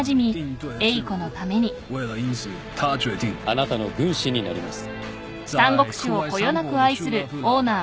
あなたの軍師になります。